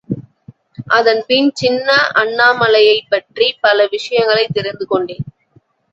அதன் பின் சின்ன அண்ணாமலையைப் பற்றிப் பல விஷயங்களைத் தெரிந்து கொண்டேன்.